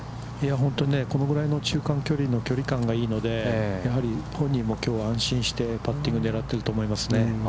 本当にね、このぐらいの中間距離の距離感がいいので、やはり、本人もきょうは安心してパッティングを狙ってると思いますね。